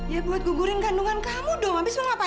ya buat gugurin kandungan kamu dong abis mau ngapain